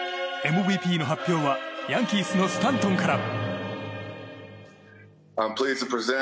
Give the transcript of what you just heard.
ＭＶＰの発表はヤンキースのスタントンから。